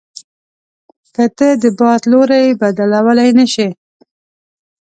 که ته د باد لوری بدلوای نه شې.